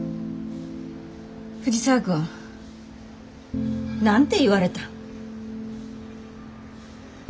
藤沢君何て言われたん？